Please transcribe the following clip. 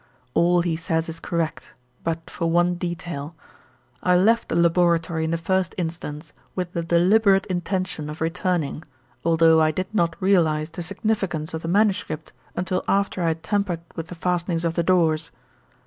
All he says is correct, but for one detail. I left the laboratory in the first instance with the deliberate intention of returning, although I did not realise the significance of the manuscript until after I had tampered with the fastenings of the doors.